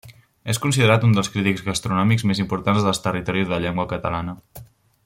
És considerat un dels crítics gastronòmics més importants dels territoris de llengua catalana.